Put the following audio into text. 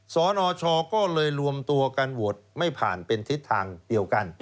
สนชก็เลยรวมตัวกันโหวตไม่ผ่านเป็นทิศทางเดียวกัน